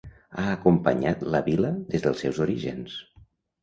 Ha acompanyat la vila des dels seus orígens.